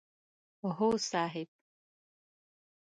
هو صاحب!